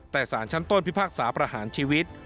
แต่สารชั้นต้นพิพากษาประหารชีวิต